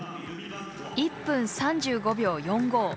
１分３５秒４５。